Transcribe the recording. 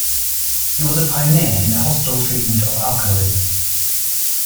He was a pioneer in the hospital treatment of alcoholism.